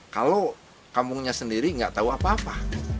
kalau kampungnya sendiri nggak tahu apa apa